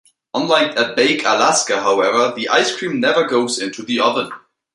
Unlike a Baked Alaska, however, the ice cream never goes into the oven.